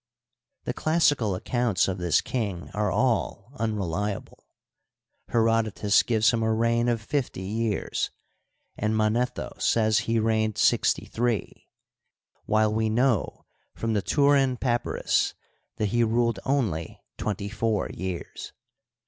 The classical accounts of this king are all unreliable. Herodotus gives him a reign of fifty years, and Manetho says he reigned sixty three, while we know from the Turin Papyrus that he ruled only twenty four years.